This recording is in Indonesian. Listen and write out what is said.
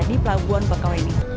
di pelabuhan bakal ini